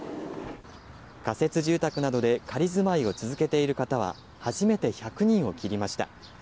仮設住宅などで仮住まいを続けている方は、初めて１００人を切りました。